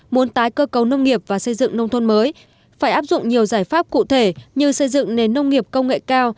muốn tái cơ cấu nông nghiệp và xây dựng nông thôn mới phải áp dụng nhiều giải pháp cụ thể như xây dựng nền nông nghiệp công nghệ cao